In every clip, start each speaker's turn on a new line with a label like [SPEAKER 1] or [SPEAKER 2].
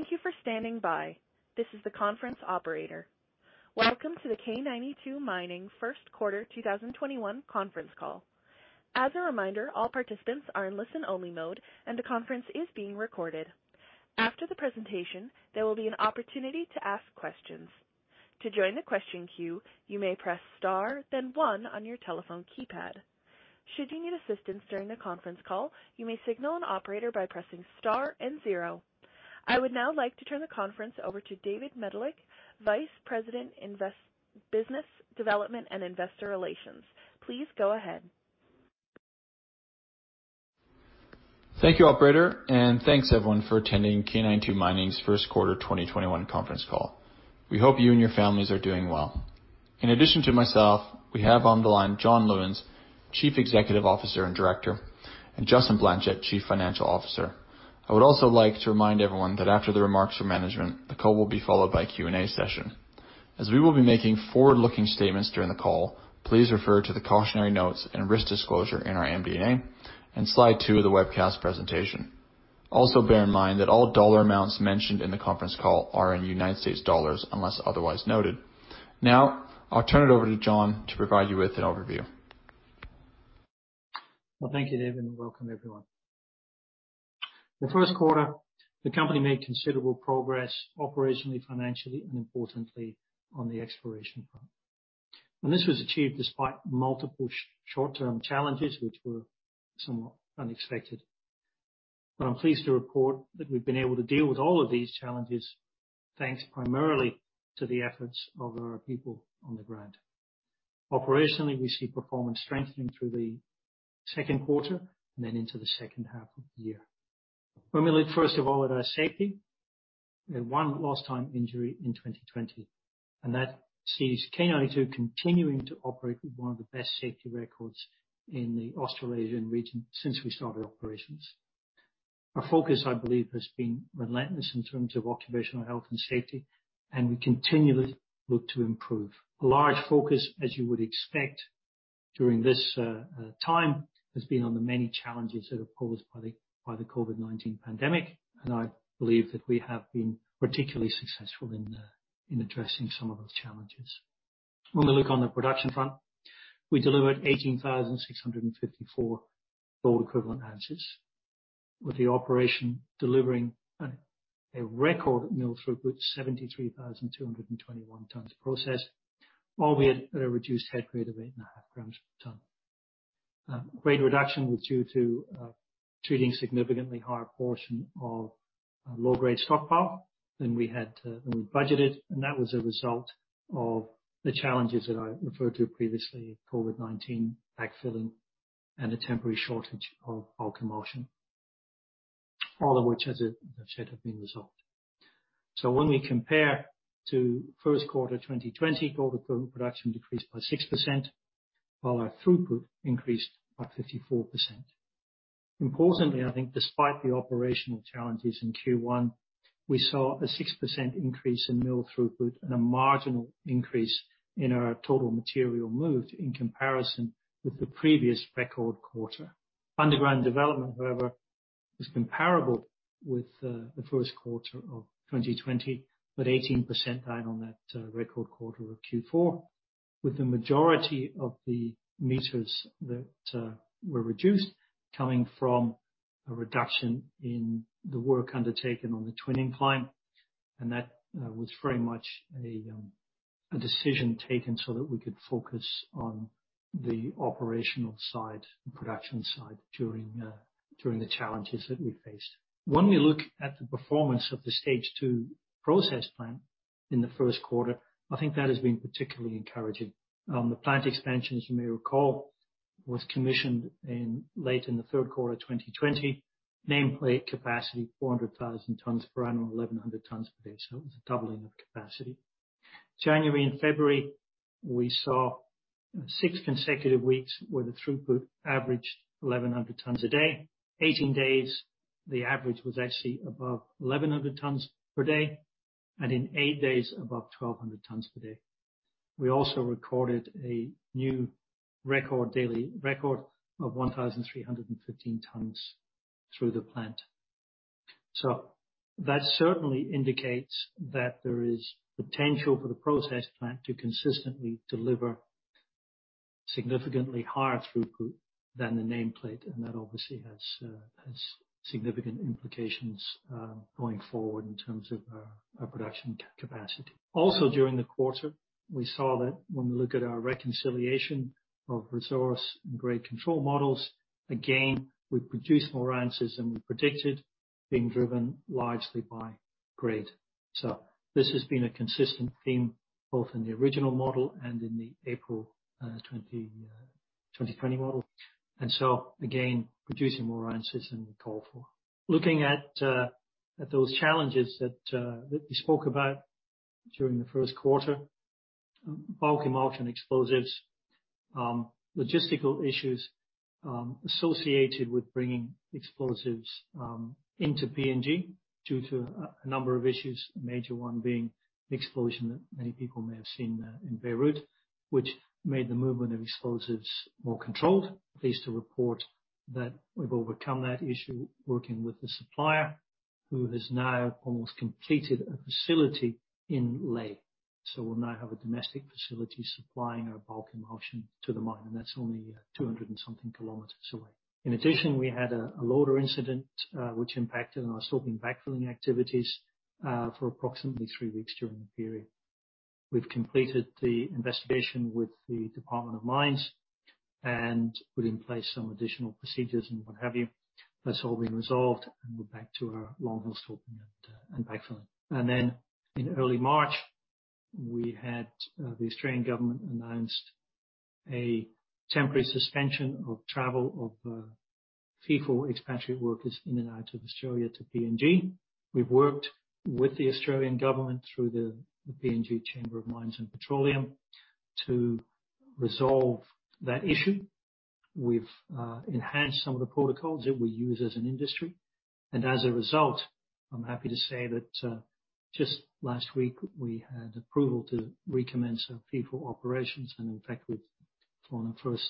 [SPEAKER 1] Welcome to the K92 Mining First Quarter 2021 conference call. As a reminder, all participants are in listen-only mode, and the conference is being recorded. After the presentation, there will be an opportunity to ask questions. I would now like to turn the conference over to David Medilek, Vice President, Business Development and Investor Relations. Please go ahead.
[SPEAKER 2] Thank you, operator. Thanks everyone for attending K92 Mining's first quarter 2021 conference call. We hope you and your families are doing well. In addition to myself, we have on the line, John Lewins, Chief Executive Officer and Director, and Justin Blanchet, Chief Financial Officer. I would also like to remind everyone that after the remarks from management, the call will be followed by a Q&A session. As we will be making forward-looking statements during the call, please refer to the cautionary notes and risk disclosure in our MDA and Slide two of the webcast presentation. Bear in mind that all dollar amounts mentioned in the conference call are in United States dollars, unless otherwise noted. I'll turn it over to John to provide you with an overview.
[SPEAKER 3] Well, thank you, David, welcome everyone. The first quarter, the company made considerable progress operationally, financially, and importantly, on the exploration front. This was achieved despite multiple short-term challenges, which were somewhat unexpected. I'm pleased to report that we've been able to deal with all of these challenges, thanks primarily to the efforts of our people on the ground. Operationally, we see performance strengthening through the second quarter and then into the second half of the year. When we look, first of all, at our safety. We had one lost time injury in 2020, and that sees K92 continuing to operate with one of the best safety records in the Australasian region since we started operations. Our focus, I believe, has been relentless in terms of occupational health and safety, and we continually look to improve. A large focus, as you would expect during this time, has been on the many challenges that are posed by the COVID-19 pandemic, and I believe that we have been particularly successful in addressing some of those challenges. When we look on the production front, we delivered 18,654 gold equivalent ounces, with the operation delivering a record mill throughput, 73,221 tons processed, albeit at a reduced head grade of 8.5 grams per ton. Grade reduction was due to treating a significantly higher portion of low-grade stockpile than we budgeted, and that was a result of the challenges that I referred to previously, COVID-19 backfilling and a temporary shortage of bulk emulsion. All of which, as I said, have been resolved. When we compare to first quarter 2020, gold equivalent production decreased by 6%, while our throughput increased by 54%. Importantly, I think despite the operational challenges in Q1, we saw a 6% increase in mill throughput and a marginal increase in our total material moved in comparison with the previous record quarter. Underground development, however, is comparable with the first quarter of 2020, but 18% down on that record quarter of Q4, with the majority of the meters that were reduced coming from a reduction in the work undertaken on the twinning incline, and that was very much a decision taken so that we could focus on the operational side and production side during the challenges that we faced. When we look at the performance of the stage two process plant in the first quarter, I think that has been particularly encouraging. The plant expansion, as you may recall, was commissioned late in the third quarter of 2020. Nameplate capacity, 400,000 tonnes per annum, 1,100 tonnes per day. It was a doubling of capacity. January and February, we saw six consecutive weeks where the throughput averaged 1,100 tonnes a day. 18 days, the average was actually above 1,100 tonnes per day, and in 8 days above 1,200 tonnes per day. We also recorded a new daily record of 1,315 tonnes through the plant. That certainly indicates that there is potential for the process plant to consistently deliver significantly higher throughput than the nameplate, and that obviously has significant implications, going forward in terms of our production capacity. During the quarter, we saw that when we look at our reconciliation of resource and grade control models, again, we produced more ounces than we predicted being driven largely by grade. This has been a consistent theme both in the original model and in the April 2020 model. Again, producing more ounces than we called for. Looking at those challenges that we spoke about during the first quarter. bulk emulsion explosives, logistical issues associated with bringing explosives into PNG due to a number of issues, a major one being the explosion that many people may have seen in Beirut, which made the movement of explosives more controlled. Pleased to report that we've overcome that issue working with the supplier, who has now almost completed a facility in Lae. We'll now have a domestic facility supplying our bulk emulsion to the mine, and that's only 200 and something kilometers away. In addition, we had a loader incident, which impacted on our stoping, backfilling activities for approximately three weeks during the period. We've completed the investigation with the Department of Mining and put in place some additional procedures and what have you. That's all been resolved, and we're back to our longhole stoping and backfilling. In early March, we had the Australian government announce a temporary suspension of travel of FIFO expatriate workers in and out of Australia to PNG. We've worked with the Australian government through the PNG Chamber of Mines and Petroleum to resolve that issue. We've enhanced some of the protocols that we use as an industry, and as a result, I'm happy to say that, just last week, we had approval to recommence our FIFO operations, and in fact, we've flown our first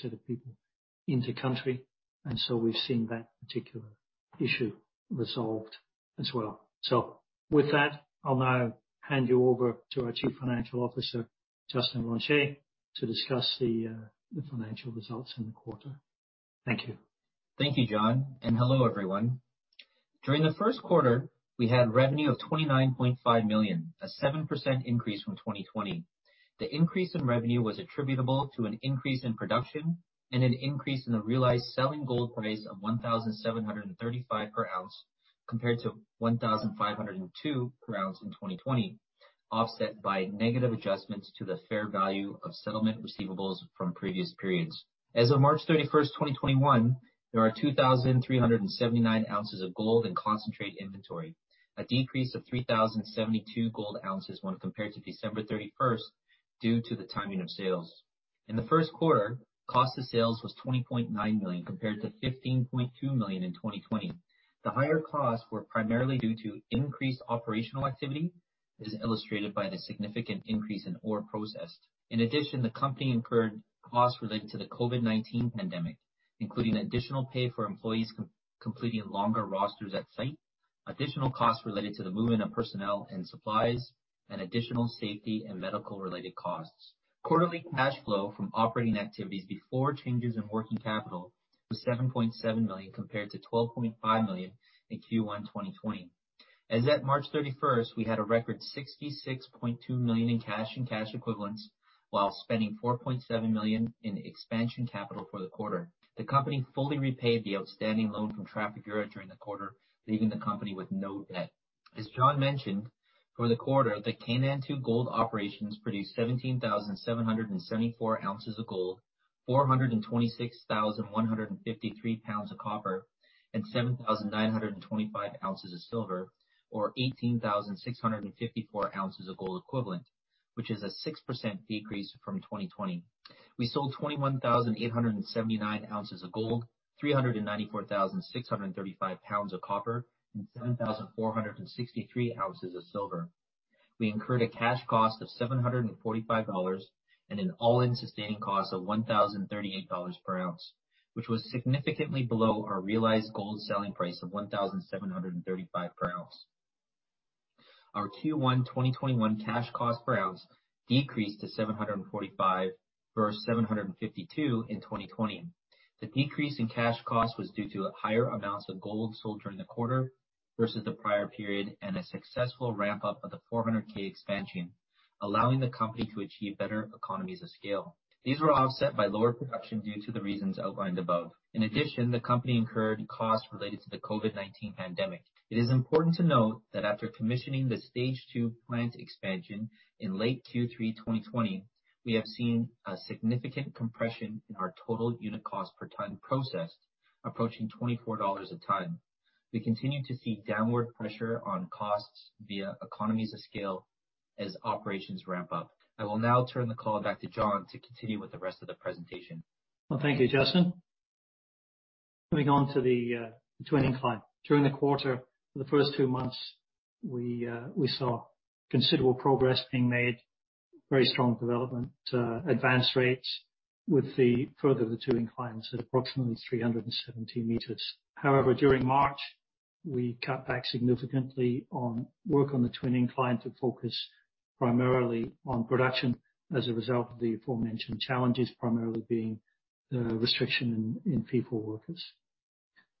[SPEAKER 3] set of people into the country, and so we've seen that particular issue resolved as well. With that, I'll now hand you over to our Chief Financial Officer, Justin Blanchet, to discuss the financial results in the quarter. Thank you.
[SPEAKER 4] Thank you, John, and hello, everyone. During the first quarter, we had revenue of $29.5 million, a 7% increase from 2020. The increase in revenue was attributable to an increase in production and an increase in the realized selling gold price of $1,735 per ounce, compared to $1,502 per ounce in 2020, offset by negative adjustments to the fair value of settlement receivables from previous periods. As of March 31st, 2021, there are 2,379 ounces of gold and concentrate inventory, a decrease of 3,072 gold ounces when compared to December 31st due to the timing of sales. In the first quarter, cost of sales was $20.9 million, compared to $15.2 million in 2020. The higher costs were primarily due to increased operational activity, as illustrated by the significant increase in ore processed. In addition, the company incurred costs relating to the COVID-19 pandemic, including additional pay for employees completing longer rosters at site, additional costs related to the movement of personnel and supplies, and additional safety and medical-related costs. Quarterly cash flow from operating activities before changes in working capital was $7.7 million compared to $12.5 million in Q1 2020. As at March 31st, we had a record $66.2 million in cash and cash equivalents while spending $4.7 million in expansion capital for the quarter. The company fully repaid the outstanding loan from Trafigura during the quarter, leaving the company with no debt. As John mentioned, for the quarter, the K92 gold operations produced 17,774 oz of gold, 426,153 pounds of copper, and 7,925 oz of silver or 18,654 oz of gold equivalent, which is a 6% decrease from 2020. We sold 21,879 oz of gold, 394,635 pounds of copper, and 7,463 oz of silver. We incurred a cash cost of $745 and an all-in sustaining cost of $1,038 per ounce, which was significantly below our realized gold selling price of $1,735 per ounce. Our Q1 2021 cash cost per ounce decreased to $745 versus $752 in 2020. The decrease in cash cost was due to higher amounts of gold sold during the quarter versus the prior period and a successful ramp-up of the 400K expansion, allowing the company to achieve better economies of scale. These were offset by lower production due to the reasons outlined above. In addition, the company incurred costs related to the COVID-19 pandemic. It is important to note that after commissioning the stage two plant expansion in late Q3 2020, we have seen a significant compression in our total unit cost per ton processed, approaching $24 a ton. We continue to see downward pressure on costs via economies of scale as operations ramp up. I will now turn the call back to John to continue with the rest of the presentation.
[SPEAKER 3] Well, thank you, Justin. Moving on to the twin incline. During the quarter, the first two months, we saw considerable progress being made, very strong development, advance rates with the further twinning inclines at approximately 370 m. However, during March, we cut back significantly on work on the twin incline to focus primarily on production as a result of the aforementioned challenges, primarily being the restriction in FIFO workers.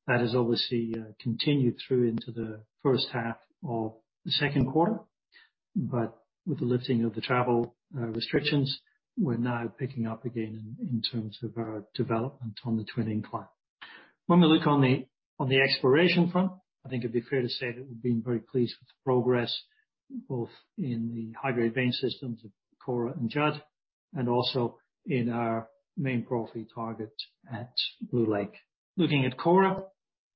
[SPEAKER 3] That has obviously continued through into the first half of the second quarter, but with the lifting of the travel restrictions, we're now picking up again in terms of our development on the twin incline. When we look on the exploration front, I think it'd be fair to say that we've been very pleased with the progress, both in the high-grade vein systems at Kora and J1, and also in our main porphyry target at Blue Lake. Looking at Kora,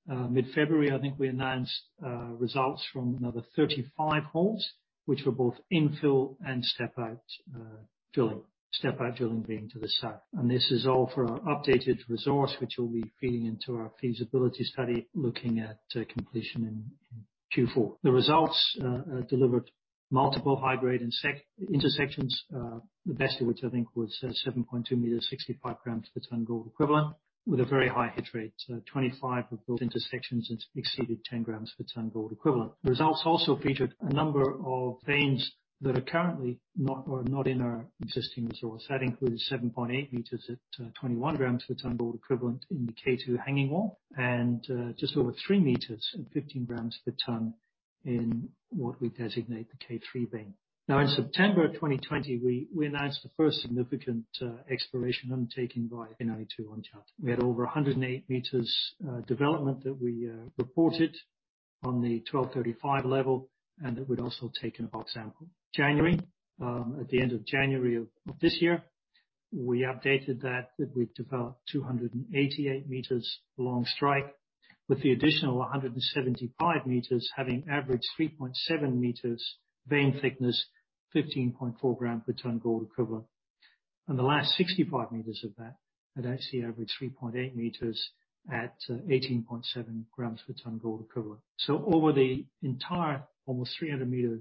[SPEAKER 3] mid-February, I think we announced results from another 35 holes, which were both infill and step out drilling. Step out drilling being to the south. This is all for our updated resource, which will be feeding into our feasibility study looking at completion in Q4. The results delivered multiple high-grade intersections, the best of which I think was 7.2 m, 65 grams per ton gold equivalent, with a very high hit rate. 25 of those intersections exceeded 10 grams per ton gold equivalent. The results also featured a number of veins that are currently not in our existing resource. That includes 7.8 m at 21 grams per ton gold equivalent in the K2 hanging wall and just over three meters at 15 grams per ton in what we designate the K3 vein. In September of 2020, we announced the first significant exploration undertaking by K92 on J1. We had over 108 meters development that we reported on the 1235 level, and that we'd also taken a bulk sample. January, at the end of January of this year, we updated that we'd developed 288 meters along strike, with the additional 175 m having averaged 3.7 m vein thickness, 15.4 grams per ton gold equivalent. The last 65 m of that at AC averaged 3.8 m at 18.7 grams per ton gold equivalent. Over the entire almost 300-meter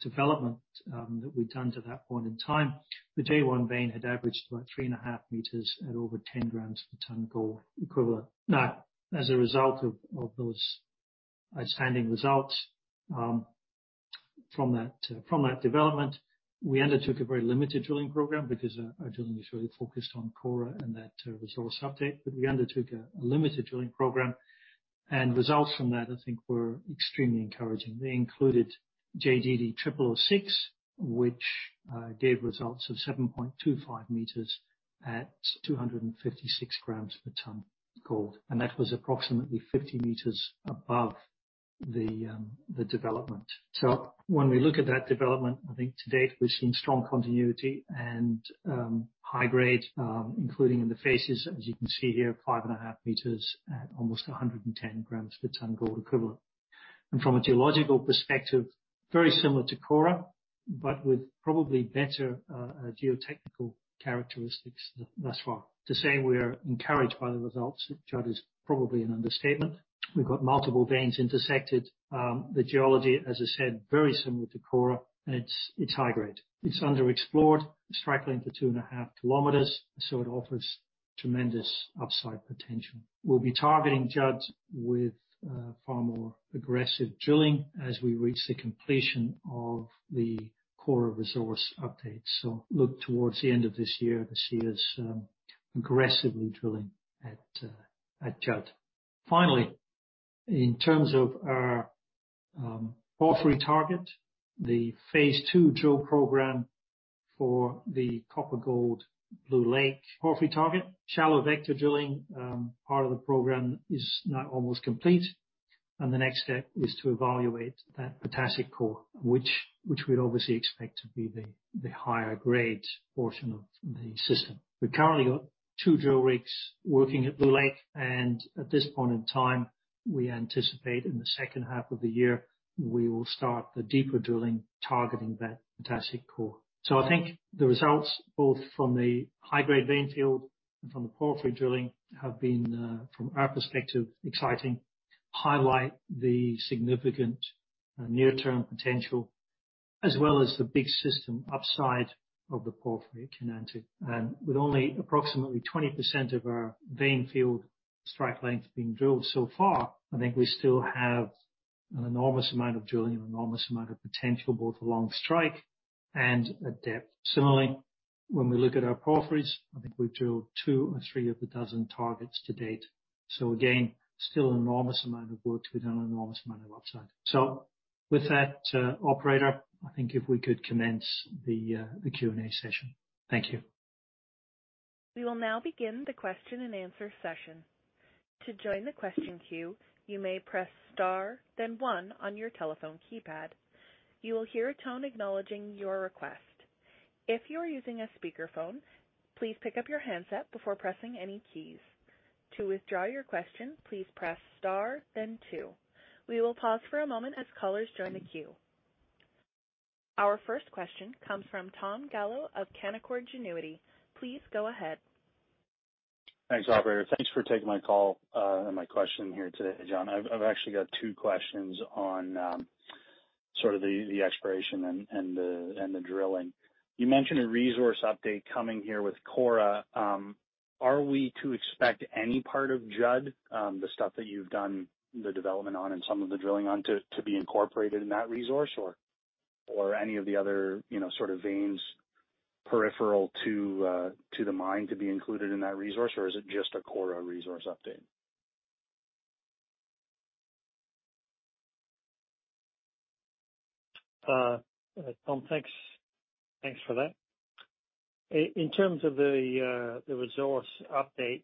[SPEAKER 3] development that we'd done to that point in time, the J1 vein had averaged about 3.5 m at over 10 grams per ton gold equivalent. As a result of those outstanding results from that development, we undertook a very limited drilling program because our drilling is really focused on Kora and that resource update. We undertook a limited drilling program, and results from that, I think, were extremely encouraging. They included JDD0006, which gave results of 7.25 m at 256 grams per ton gold. That was approximately 50 m above the development. When we look at that development, I think to date we've seen strong continuity and high grade, including in the faces, as you can see here, five and a half meters at almost 110 grams per ton gold equivalent. From a geological perspective, very similar to Kora, but with probably better geotechnical characteristics thus far. To say we're encouraged by the results at Judd is probably an understatement. We've got multiple veins intersected. The geology, as I said, very similar to Kora, and it's high grade. It's underexplored, strike length of 2.5 km, it offers tremendous upside potential. We'll be targeting Judd with far more aggressive drilling as we reach the completion of the core resource update. Look towards the end of this year to see us aggressively drilling at Judd. Finally, in terms of our porphyry target, the phase II drill program for the copper gold Blue Lake porphyry target. Shallow vector drilling part of the program is now almost complete, and the next step is to evaluate that potassic core, which we'd obviously expect to be the higher grade portion of the system. We've currently got two drill rigs working at Blue Lake, and at this point in time, we anticipate in the second half of the year, we will start the deeper drilling targeting that potassic core. I think the results both from the high-grade vein field and from the porphyry drilling have been, from our perspective, exciting. Highlight the significant near-term potential as well as the big system upside of the porphyry at Kainantu. With only approximately 20% of our vein field strike length being drilled so far, I think we still have an enormous amount of drilling, an enormous amount of potential both along strike and at depth. Similarly, when we look at our porphyries, I think we've drilled two or three of a dozen targets to date. Again, still an enormous amount of work with an enormous amount of upside. With that, operator, I think if we could commence the Q&A session. Thank you.
[SPEAKER 1] We will now begin the question-and-answer session. To join the question queue you may press star then one on your telephone keypad. You will hear a tone acknowledging your request. If you are using a speaker phone please pick up your handset before pressing any keys. To withdraw your question please press star then two. We will pause for a moment as callers join the queue. Our first question comes from Tom Gallo of Canaccord Genuity. Please go ahead.
[SPEAKER 5] Thanks, operator. Thanks for taking my call, and my question here today, John. I've actually got two questions on sort of the exploration and the drilling. You mentioned a resource update coming here with Kora. Are we to expect any part of Judd, the stuff that you've done the development on and some of the drilling on, to be incorporated in that resource or any of the other sort of veins peripheral to the mine to be included in that resource? Or is it just a Kora resource update?
[SPEAKER 3] Tom, thanks. Thanks for that. In terms of the resource update,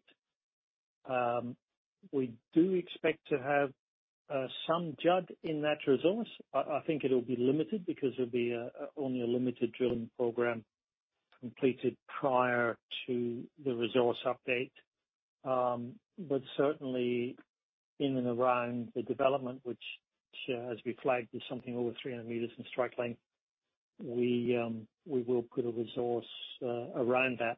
[SPEAKER 3] we do expect to have some Judd in that resource. I think it'll be limited because there'll be only a limited drilling program completed prior to the resource update. Certainly in and around the development, which as we flagged, is something over 300 m in strike length, we will put a resource around that.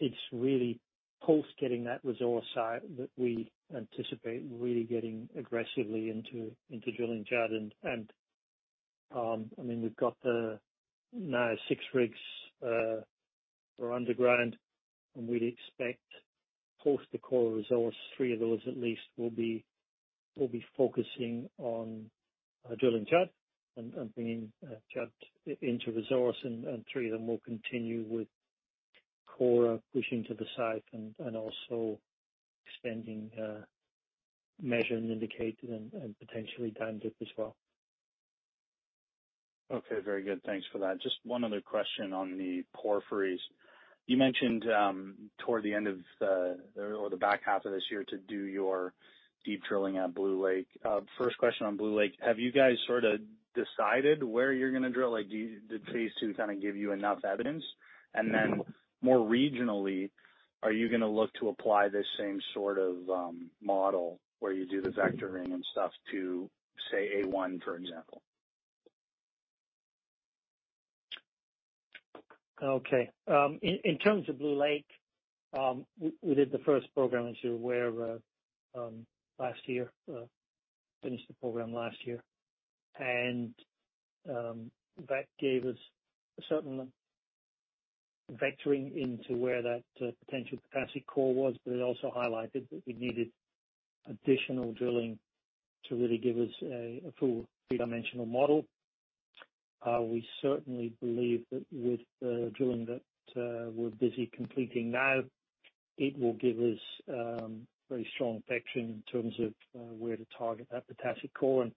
[SPEAKER 3] It's really post getting that resource site that we anticipate really getting aggressively into drilling Judd. We've got the now six rigs for underground, and we'd expect post the Kora resource, three of those at least will be focusing on drilling Judd and bringing Judd into resource, and three of them will continue with Kora pushing to the south and also extending measure and indicated and potentially done dip as well.
[SPEAKER 5] Okay. Very good. Thanks for that. Just one other question on the porphyries. You mentioned toward the end of the back half of this year to do your deep drilling at Blue Lake. First question on Blue Lake, have you guys decided where you're going to drill? Did phase II kind of give you enough evidence? Then more regionally, are you going to look to apply this same sort of model where you do the vectoring and stuff to, say, A1, for example?
[SPEAKER 3] Okay. In terms of Blue Lake, we did the first program, as you're aware, last year. Finished the program last year. That gave us a certain vectoring into where that potential potassic core was, but it also highlighted that we needed additional drilling to really give us a full three-dimensional model. We certainly believe that with the drilling that we're busy completing now, it will give us very strong vectoring in terms of where to target that potassic core.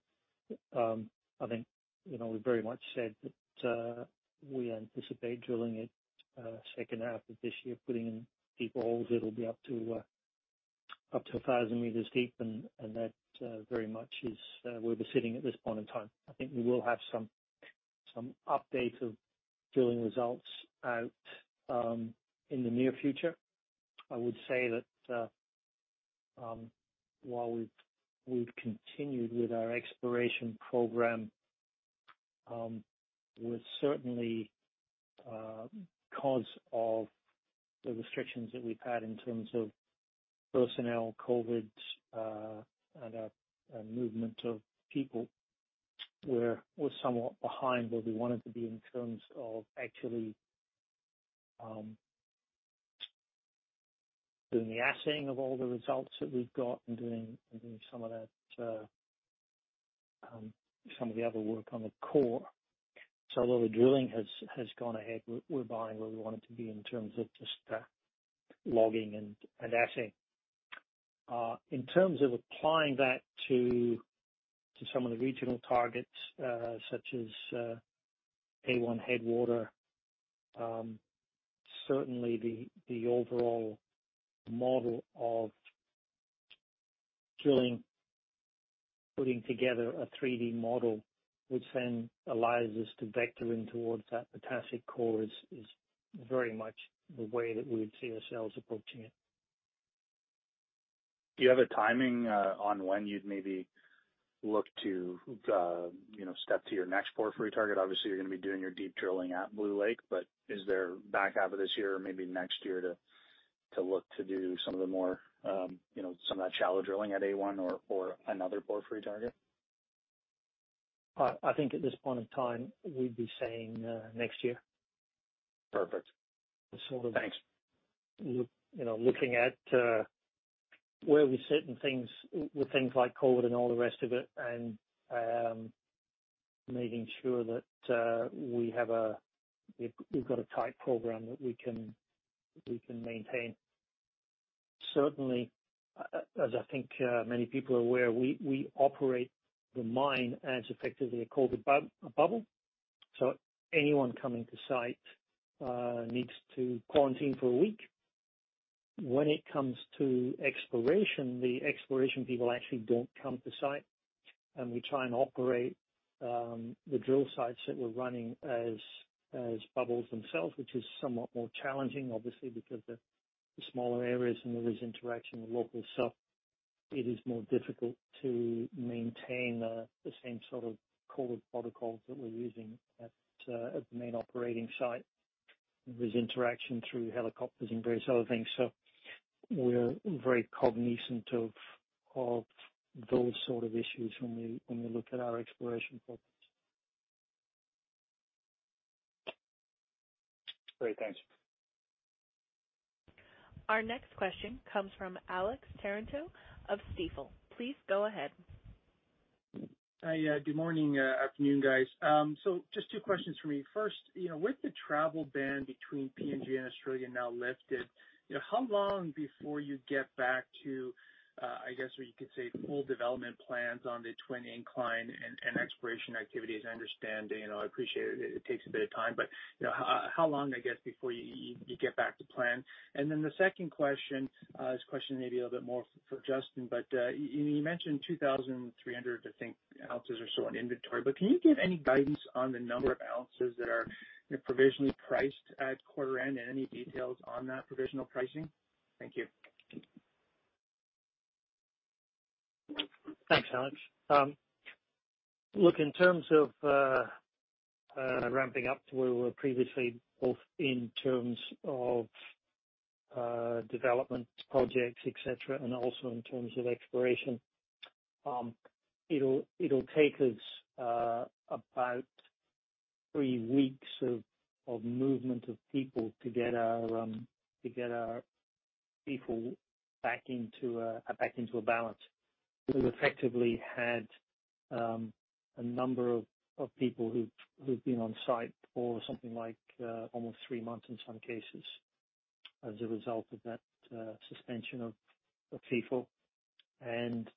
[SPEAKER 3] I think we very much said that we anticipate drilling it second half of this year, putting in deeper holes. It'll be up to 1,000 m deep, and that very much is where we're sitting at this point in time. I think we will have some updates of drilling results out in the near future. I would say that while we've continued with our exploration program, we're certainly, because of the restrictions that we've had in terms of personnel, COVID-19, and movement of people, we're somewhat behind where we wanted to be in terms of actually doing the assaying of all the results that we've got and doing some of the other work on the core. While the drilling has gone ahead, we're behind where we wanted to be in terms of just logging and assaying. In terms of applying that to some of the regional targets, such as A1 Headwater, certainly the overall model of drilling, putting together a 3D model, which then allows us to vector in towards that potassic core is very much the way that we would see ourselves approaching it.
[SPEAKER 5] Do you have a timing on when you'd maybe look to step to your next porphyry target? Obviously, you're going to be doing your deep drilling at Blue Lake, but is there back half of this year or maybe next year to look to do some of that shallow drilling at A1 or another porphyry target?
[SPEAKER 3] I think at this point in time, we'd be saying next year.
[SPEAKER 5] Perfect. Thanks.
[SPEAKER 3] Looking at where we sit and with things like COVID and all the rest of it, and making sure that we've got a tight program that we can maintain. Certainly, as I think many people are aware, we operate the mine as effectively a COVID bubble. Anyone coming to site needs to quarantine for a week. When it comes to exploration, the exploration people actually don't come to site, and we try and operate the drill sites that we're running as bubbles themselves, which is somewhat more challenging, obviously, because they're smaller areas and there is interaction with locals. It is more difficult to maintain the same sort of COVID protocols that we're using at the main operating site. There is interaction through helicopters and various other things. We're very cognizant of those sort of issues when we look at our exploration programs.
[SPEAKER 5] Great, thanks.
[SPEAKER 1] Our next question comes from Alex Terentiew of Stifel. Please go ahead.
[SPEAKER 6] Hi. Good morning, afternoon, guys. Just two questions from me. First, with the travel ban between PNG and Australia now lifted, how long before you get back to, I guess you could say, full development plans on the twin incline and exploration activities? I understand. I appreciate it takes a bit of time, but how long, I guess, before you get back to plan? The second question, this question may be a little bit more for Justin, but you mentioned 2,300, I think, ounces or so in inventory, but can you give any guidance on the number of ounces that are provisionally priced at quarter end and any details on that provisional pricing? Thank you.
[SPEAKER 3] Thanks, Alex Terentiew. In terms of ramping up to where we were previously, both in terms of development projects, et cetera, and also in terms of exploration, it will take us about three weeks of movement of people to get our people back into a balance. We have effectively had a number of people who have been on site for something like almost three months in some cases as a result of that suspension of people and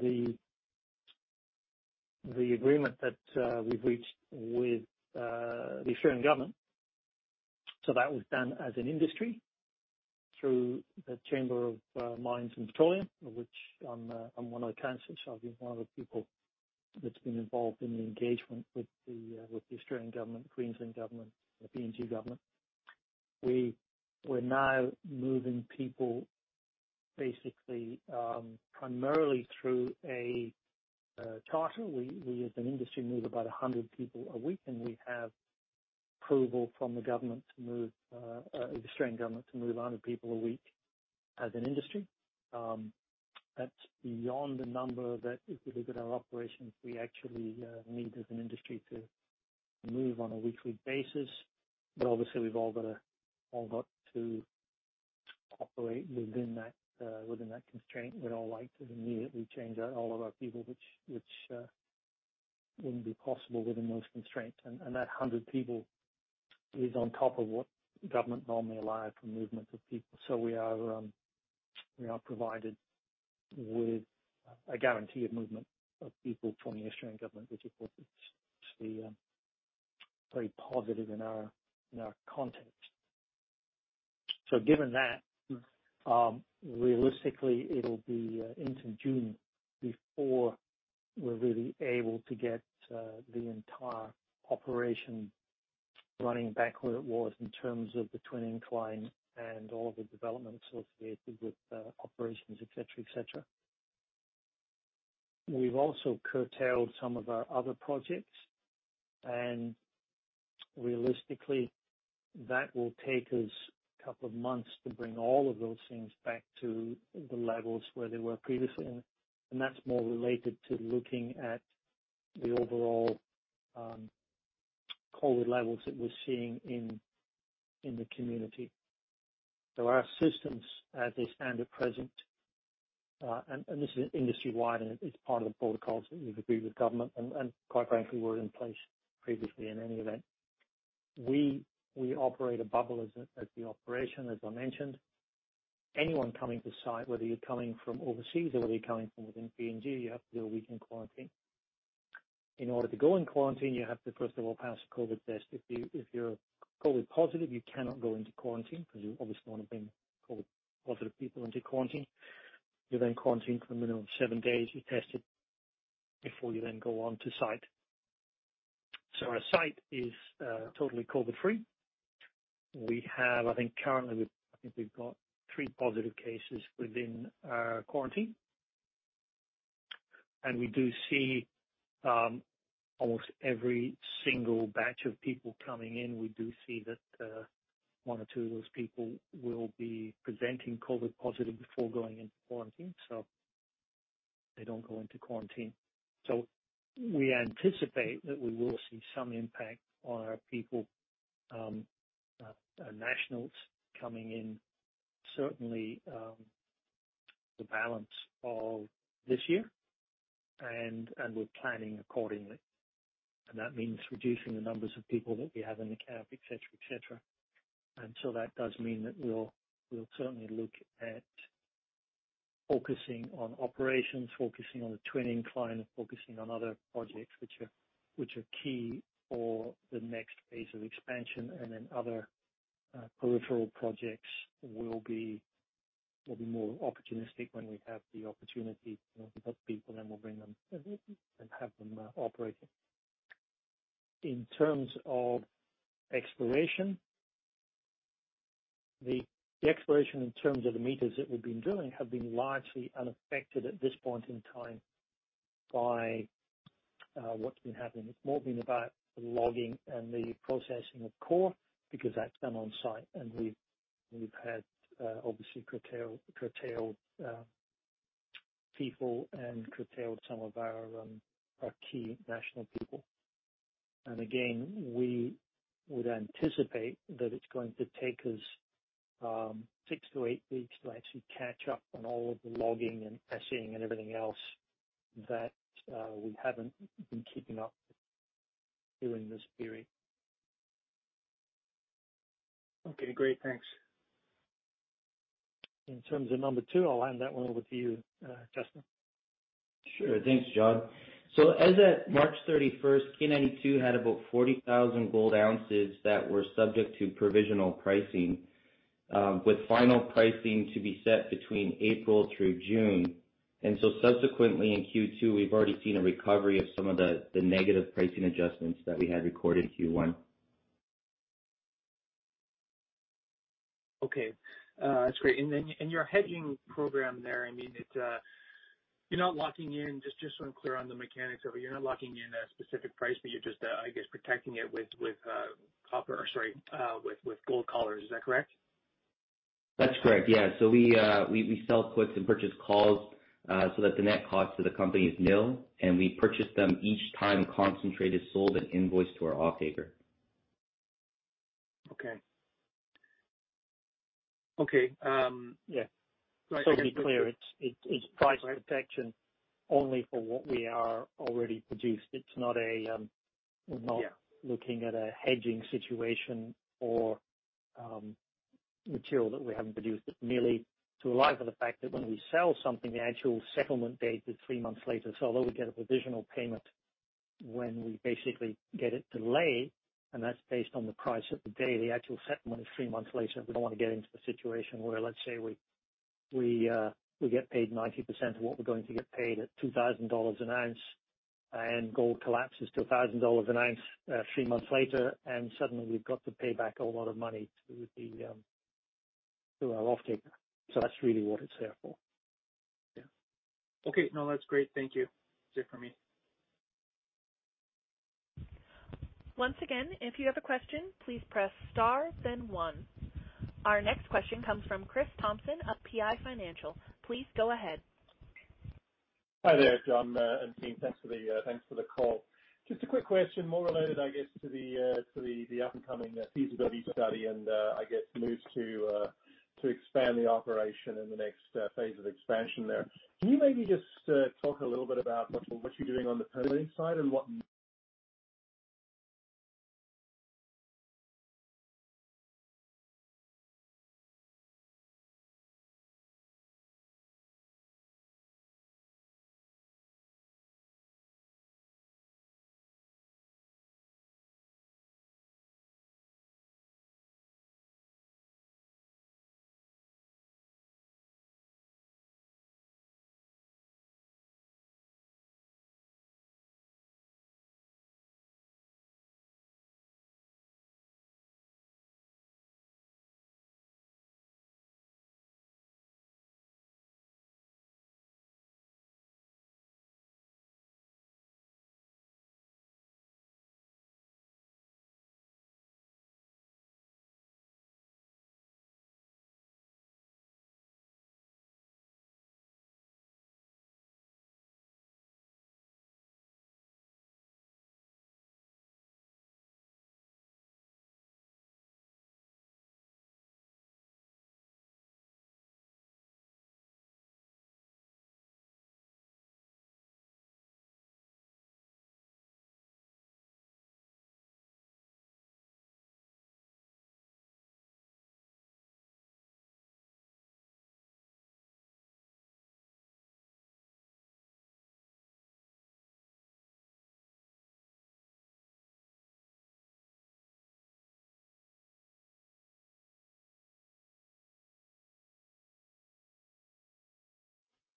[SPEAKER 3] the agreement that we have reached with the Australian government. That was done as an industry through the Chamber of Mines and Petroleum, of which I am one of the counselors. I have been one of the people that has been involved in the engagement with the Australian government, Queensland government, the PNG government. We are now moving people basically, primarily through a charter. We, as an industry, move about 100 people a week, and we have approval from the Australian Government to move 100 people a week as an industry. That's beyond the number that, if we look at our operations, we actually need as an industry to move on a weekly basis. Obviously, we've all got to operate within that constraint. We'd all like to immediately change out all of our people, which wouldn't be possible within those constraints. That 100 people is on top of what government normally allow for movement of people. We are provided with a guaranteed movement of people from the Australian Government, which of course, is very positive in our context. Given that, realistically, it'll be into June before we're really able to get the entire operation running back where it was in terms of the twin incline and all of the development associated with operations, et cetera. We've also curtailed some of our other projects, and realistically, that will take us a couple of months to bring all of those things back to the levels where they were previously. That's more related to looking at the overall COVID levels that we're seeing in the community. Our systems as they stand at present, and this is industry-wide, and it's part of the protocols that we've agreed with government and, quite frankly, were in place previously in any event. We operate a bubble as the operation, as I mentioned. Anyone coming to site, whether you're coming from overseas or whether you're coming from within PNG, you have to do a week in quarantine. In order to go in quarantine, you have to first of all pass a COVID test. If you're COVID positive, you cannot go into quarantine because you obviously wouldn't bring COVID positive people into quarantine. You quarantine for a minimum of seven days. You're tested before you then go on to site. Our site is totally COVID-free. We have, I think currently, I think we've got three positive cases within our quarantine. We do see almost every single batch of people coming in, we do see that one or two of those people will be presenting COVID positive before going into quarantine. They don't go into quarantine. We anticipate that we will see some impact on our people, our nationals coming in, certainly, the balance of this year, and we're planning accordingly. That means reducing the numbers of people that we have in the camp, et cetera. That does mean that we'll certainly look at focusing on operations, focusing on the twinning incline, focusing on other projects which are key for the next phase of expansion, and then other peripheral projects will be more opportunistic when we have the opportunity to help people, then we'll bring them and have them operating. In terms of exploration, the exploration in terms of the meters that we've been drilling have been largely unaffected at this point in time by what's been happening. It's more been about the logging and the processing of core because that's done on-site. We've had, obviously, curtailed people and curtailed some of our key national people. Again, we would anticipate that it's going to take us six to eight weeks to actually catch up on all of the logging and testing and everything else that we haven't been keeping up during this period. Okay, great. Thanks. In terms of number two, I'll hand that one over to you, Justin.
[SPEAKER 4] Thanks, John. As at March 31st, K92 had about 40,000 gold ounces that were subject to provisional pricing, with final pricing to be set between April through June. Subsequently in Q2, we've already seen a recovery of some of the negative pricing adjustments that we had recorded in Q1.
[SPEAKER 6] Okay. That's great. Your hedging program there, just so I'm clear on the mechanics of it, you're not locking in a specific price, but you're just, I guess, protecting it with gold collars. Is that correct?
[SPEAKER 4] That's correct, yeah. We sell puts and purchase calls so that the net cost to the company is nil. We purchase them each time concentrate is sold and invoiced to our offtaker.
[SPEAKER 6] Okay.
[SPEAKER 3] To be clear, it's price protection only for what we are already produced. We're not looking at a hedging situation for material that we haven't produced. It's merely to allow for the fact that when we sell something, the actual settlement date is three months later. Although we get a provisional payment when we basically get it to Lae, and that's based on the price of the day, the actual settlement is three months later. We don't want to get into the situation where, let's say, we get paid 90% of what we're going to get paid at $2,000 an ounce, and gold collapses to $1,000 an ounce three months later, and suddenly we've got to pay back a lot of money to our offtaker. That's really what it's there for.
[SPEAKER 6] Yeah. Okay. No, that's great. Thank you. That's it for me.
[SPEAKER 1] Our next question comes from Kris Thompson of PI Financial. Please go ahead.
[SPEAKER 7] Hi there, John and team. Thanks for the call. Just a quick question, more related, I guess, to the upcoming feasibility study and, I guess, moves to expand the operation in the next phase of expansion there. Can you maybe just talk a little bit about what you're doing on the permitting side.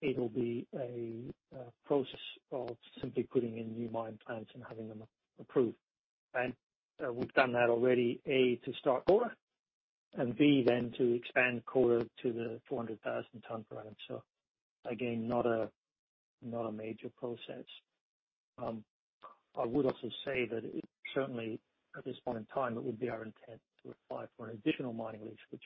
[SPEAKER 3] It'll be a process of simply putting in new mine plans and having them approved. We've done that already, A, to start Kora, and B, then to expand Kora to the 400,000 tonnes per annum. Again, not a major process. I would also say that it certainly, at this point in time, it would be our intent to apply for an additional mining lease. The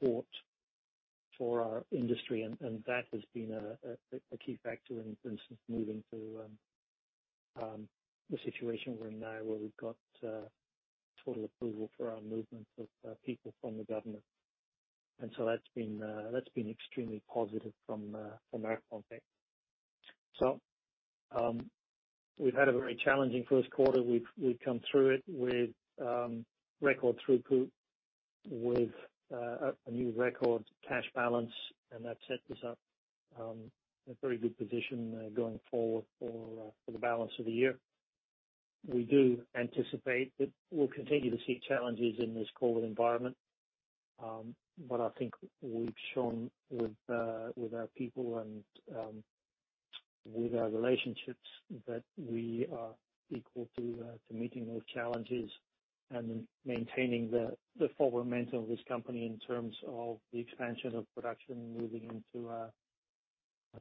[SPEAKER 3] support for our industry, and that has been a key factor in moving to the situation we're in now, where we've got total approval for our movement of people from the government. That's been extremely positive from our context. We've had a very challenging first quarter. We've come through it with record throughput, with a new record cash balance, and that sets us up in a very good position going forward for the balance of the year. We do anticipate that we'll continue to see challenges in this COVID-19 environment. I think we've shown with our people and with our relationships that we are equal to meeting those challenges and maintaining the forward momentum of this company in terms of the expansion of production and moving into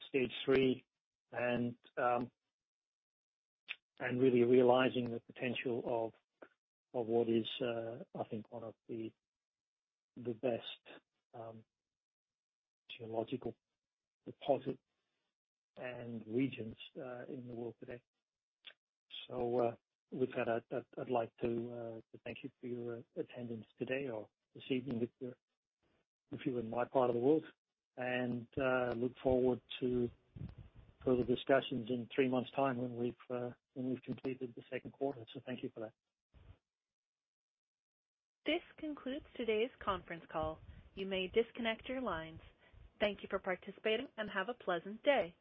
[SPEAKER 3] Stage 3 and really realizing the potential of what is, I think, one of the best geological deposit and regions in the world today. With that, I'd like to thank you for your attendance today or this evening if you're in my part of the world, and look forward to further discussions in three months' time when we've completed the second quarter. Thank you for that.
[SPEAKER 1] This concludes today's conference call. You may disconnect your lines. Thank you for participating and have a pleasant day.